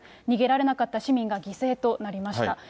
逃げられなかった市民が犠牲となりました。